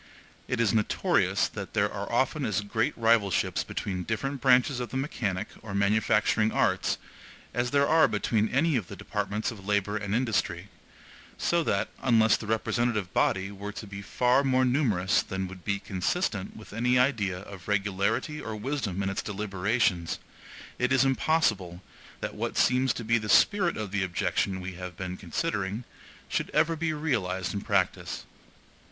It is notorious that there are often as great rivalships between different branches of the mechanic or manufacturing arts as there are between any of the departments of labor and industry; so that, unless the representative body were to be far more numerous than would be consistent with any idea of regularity or wisdom in its deliberations, it is impossible that what seems to be the spirit of the objection we have been considering should ever be realized in practice.